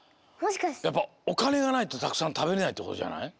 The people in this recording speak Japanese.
やっぱおかねがないとたくさんたべれないってことじゃない？